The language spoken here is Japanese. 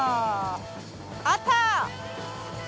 あった！